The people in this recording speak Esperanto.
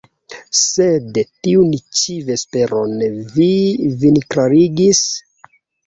Sed tiun ĉi vesperon vi vin klarigis?